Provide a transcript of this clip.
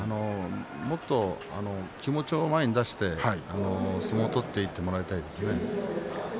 もっと気持ちを前に出して相撲を取っていってもらいたいですね。